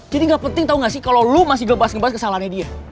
jadi gak penting tau gak sih kalo lu masih ngebahas ngebahas kesalahannya dia